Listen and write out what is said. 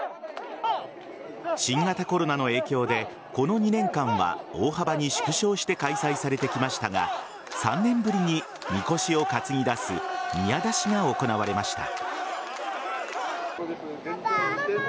新型コロナの影響でこの２年間は大幅に縮小して開催されてきましたが３年ぶりにみこしを担ぎ出す宮出しが行われました。